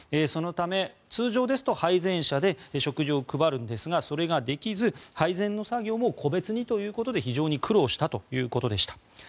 そのため通常ですと配膳車で食事を配るんですがそれができず配膳の作業も個別にということで非常に苦労したということでした。